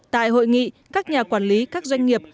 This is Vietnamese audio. tại hội nghị các nhà quản lý các doanh nghiệp